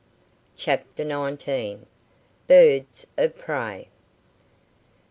CHAPTER NINETEEN. BIRDS OF PREY.